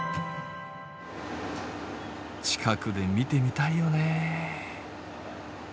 近くで見てみたいよね？